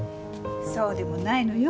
そうでもないのよ。